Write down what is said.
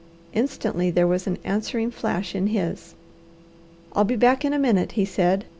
Instantly there was an answering flash in his. "I'll be back in a minute," he said.